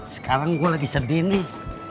sekarang gue lagi sedih nih